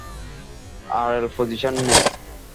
RL, পজিশনে নে!